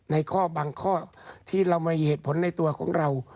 ในข้อบางข้อที่เรามีเหตุผลในตัวของเรา